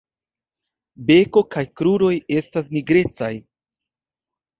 Beko kaj kruroj estas nigrecaj.